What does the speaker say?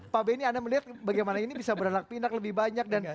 pak benny anda melihat bagaimana ini bisa beranak pinak lebih banyak dan